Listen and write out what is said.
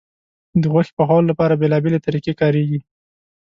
د غوښې پخولو لپاره بیلابیلې طریقې کارېږي.